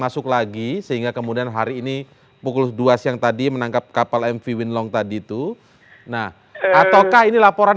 berita terkini mengenai cuaca ekstrem dua ribu dua puluh satu di jepang